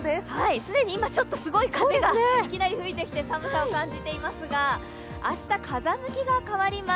既に今、ちょっとすごい風がいきなり吹いてきて寒さを感じていますが明日、風向きが変わります。